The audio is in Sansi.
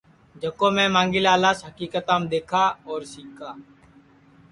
جکو میں مانگھی لالاس حکیکتام دؔیکھا اور سِکا